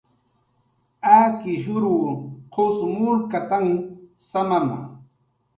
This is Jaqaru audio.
Akishrw qus munkatanh samama